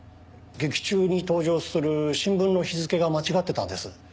劇中に登場する新聞の日付が間違ってたんです。